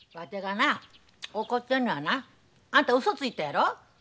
な怒ってんのはなあんたうそついたやろ。